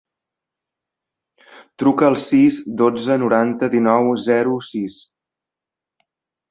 Truca al sis, dotze, noranta, dinou, zero, sis.